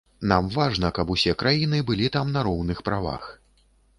Нам важна, каб усе краіны былі там на роўных правах.